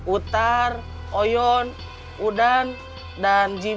utar oyon udan dan jim